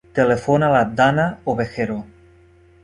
Telefona a la Dana Ovejero.